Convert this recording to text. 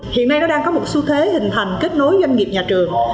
hiện nay nó đang có một xu thế hình thành kết nối doanh nghiệp nhà trường